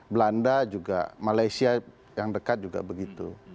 belanda juga malaysia yang dekat juga begitu